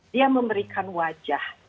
dia memberikan wajah